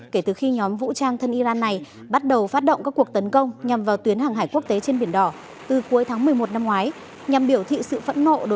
kể từ khi nhóm vũ trang thân iran này bắt đầu phát động các cuộc tấn công nhằm vào tuyến hàng hải quốc tế trên biển đỏ